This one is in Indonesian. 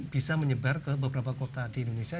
bisa menyebar ke beberapa kota di indonesia